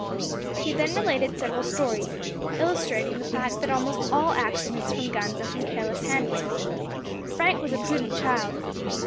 He then related several stories, illustrating the fact that almost all accidents from guns are from careless handling. Frank was a prudent child.